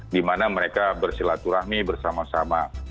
dimana mereka bersilaturahmi bersama sama